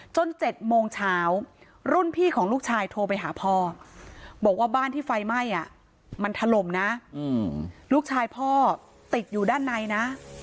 ๗โมงเช้ารุ่นพี่ของลูกชายโทรไปหาพ่อบอกว่าบ้านที่ไฟไหม้มันถล่มนะลูกชายพ่อติดอยู่ด้านในนะ